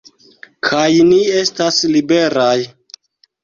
Kaj ni estas liberaj!